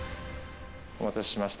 お待たせしました。